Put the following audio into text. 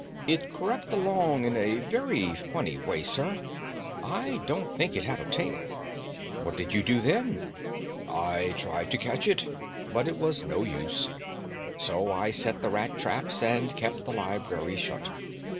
It crept along in a very funny way, sir. I don't think it had a tail." "What did you do then?" "I tried to catch it, but it was no use. So I set the rat traps and kept the library shut.